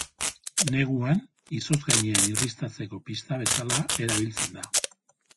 Neguan, izotz gainean irristatzeko pista bezala erabiltzen da.